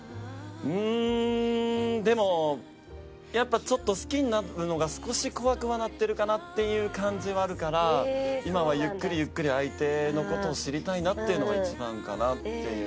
うーんでもやっぱちょっと好きになるのが少し怖くはなってるかなっていう感じはあるから今はゆっくりゆっくり相手の事を知りたいなっていうのが一番かなっていう。